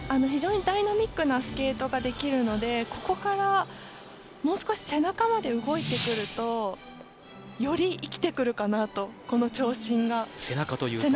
非常にダイナミックなスケートができるのでここから、もう少し背中まで動いてくるとより生きてくるかなとこの長身が。